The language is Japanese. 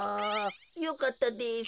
よかったです。